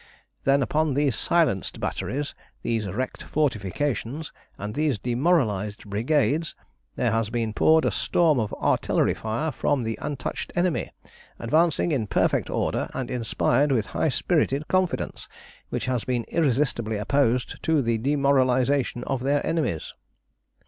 Then upon these silenced batteries, these wrecked fortifications, and these demoralised brigades, there has been poured a storm of artillery fire from the untouched enemy, advancing in perfect order, and inspired with high spirited confidence, which has been irresistibly opposed to the demoralisation of their enemies.